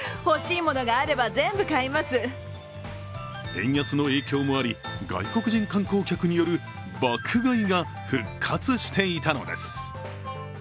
円安の影響もあり、外国人観光客による爆買いが復活していたのです。